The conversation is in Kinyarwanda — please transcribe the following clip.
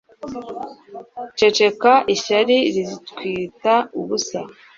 Ceceka ishyari rikwita ubusa